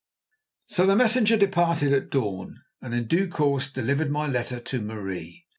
So the messenger departed at dawn, and in due course delivered my letter to Marie.